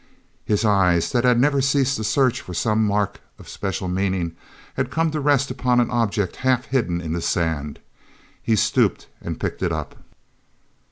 His eyes, that had never ceased to search for some mark of special meaning, had come to rest upon an object half hidden in the sand. He stooped and picked it up.